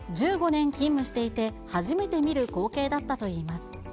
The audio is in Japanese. １５年勤務していて、初めて見る光景だったといいます。